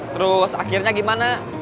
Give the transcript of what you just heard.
terus akhirnya gimana